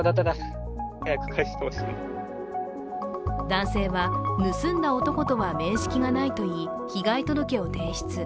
男性は盗んだ男とは面識がないといい、被害届を提出。